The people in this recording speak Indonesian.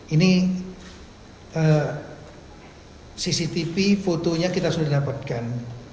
ini cctv fotonya kita sudah dapatkan